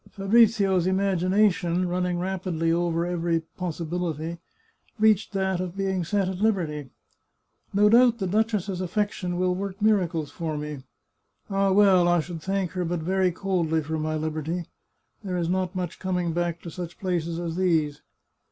Fabrizio's imagination, running rapidly over every possibil ity, reached that of being set at Hberty. " No doubt the duchess's affection will work miracles for me. Ah, well, I should thank her but very coldly for my liberty; there is not much coming back to such places as these.